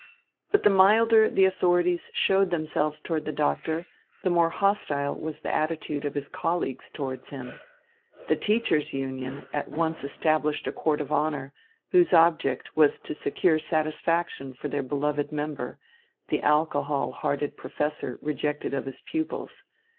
But the milder the authorities showed themselves towards the Doctor, the more hostile was the attitude of his colleagues towards him. The "Teachers' Union" at once established a court of honour, whose object was to secure satisfaction for their beloved member, the alcohol hearted professor rejected of his pupils.